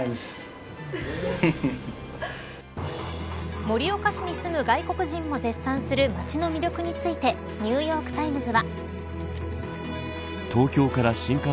盛岡市に住む外国人も絶賛する街の魅力についてニューヨーク・タイムズは。